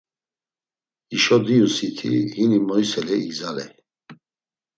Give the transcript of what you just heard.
Hişo diyusiti hini moyseley igzaley.